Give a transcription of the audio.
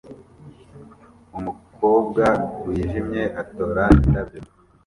Umukobwa wijimye atora indabyo